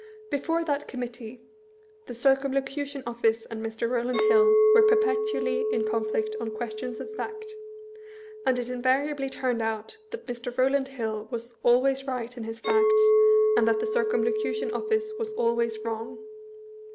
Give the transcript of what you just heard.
Before that Committee, the Circum locution Office and Mr. Eowland Hill were perpetually in conflict on questions of fact; and it invariably turned out that Mr. Eowland Hill was always right in his facts, and that the Circumlocution Office was always wrong.